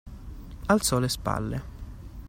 Alzò le spalle.